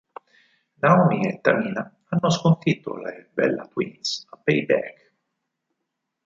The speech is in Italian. Naomi e Tamina hanno sconfitto le Bella Twins a Payback.